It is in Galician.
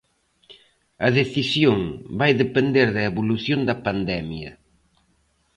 A decisión vai depender da evolución da pandemia.